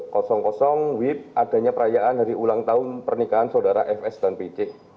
kosong kosong wip adanya perayaan dari ulang tahun pernikahan saudara fs dan pc